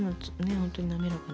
本当に滑らかな。